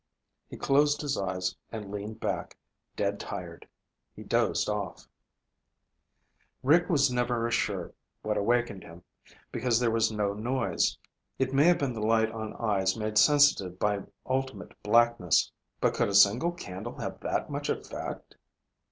He closed his eyes and leaned back, dead tired. He dozed off. Rick was never sure what awakened him, because there was no noise. It may have been the light on eyes made sensitive by ultimate blackness. But could a single candle have that much effect?